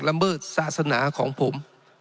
ลำเบิดศาสนาของผม